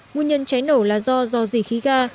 nguyên nhân cháy nổ là do do dì khí ga